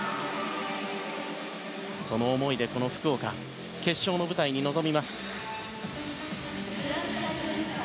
その思いで、この福岡決勝の舞台に臨みます。